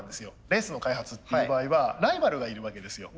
レースの開発っていう場合はライバルがいるわけですよ。